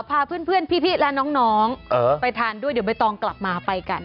พาเพื่อนพี่และน้องไปทานด้วยเดี๋ยวใบตองกลับมาไปกัน